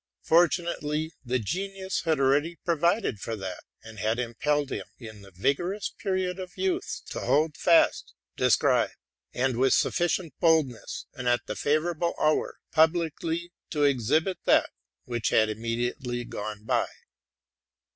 Fortunately the genius had already prov ided for that, and had impelled him, in the vigorous period of youth, to hold fast, describe, and, with suticient boldness and at the favorable hour, publicly to exhibit, that which had immediately gone by.